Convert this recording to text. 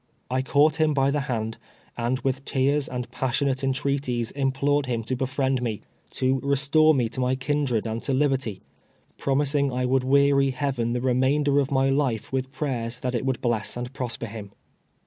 I caught him by the hand, and with tears and passionate en treaties implored him to befriend me — to restore me to my kindred and to liberty — promising I would weary Heaven the remainder of my life with prayers that it would bless and prosper him.